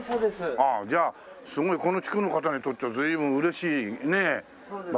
ああじゃあすごいこの地区の方にとっちゃ随分嬉しい場所ですよね